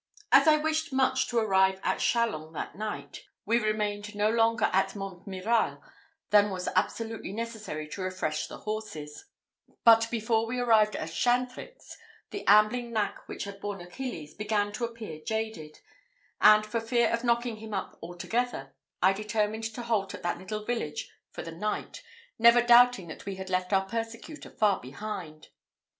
As I wished much to arrive at Chalons that night, we remained no longer at Montmirail than was absolutely necessary to refresh the horses; but before we arrived at Chaintrix, the ambling nag which had borne Achilles began to appear jaded; and, for fear of knocking him up altogether, I determined to halt at that little village for the night, never doubting that we had left our persecutor far behind.